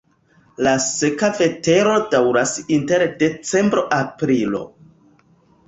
La seka vetero daŭras inter decembro-aprilo.